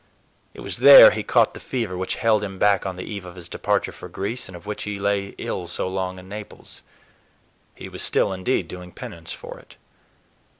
It was there he caught the fever which held him back on the eve of his departure for Greece and of which he lay ill so long in Naples. He was still, indeed, doing penance for it.